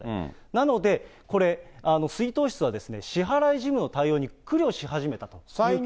なので、これ、出納室は支払い事務の対応に苦慮し始めたという。